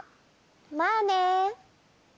まあね。